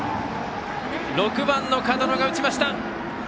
６番、門野が打ちました！